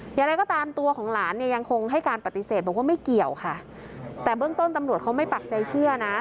อย่างไรก็ตามตัวของหลานเนี่ยยังคงให้การปฏิเสธบอกว่าไม่เกี่ยวค่ะแต่เบื้องต้นตำรวจเขาไม่ปักใจเชื่อนะ